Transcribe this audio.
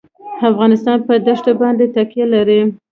افغانستان په دښتې باندې تکیه لري.